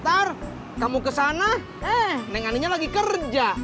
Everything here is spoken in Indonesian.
ntar kamu kesana neng aninya lagi kerja